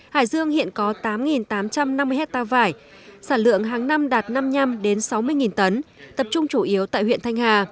hải dương hiện có tám tám trăm năm mươi hectare vải sản lượng hàng năm đạt năm mươi năm sáu mươi tấn tập trung chủ yếu tại huyện thanh hà